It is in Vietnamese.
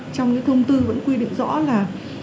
trong cái thông tin vẫn quy định rõ là